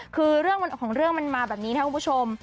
คือเรื่องของเรื่องมันมาแบบนี้นะครับคุณผู้ชม